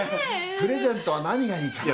プレゼントは何がいいかな？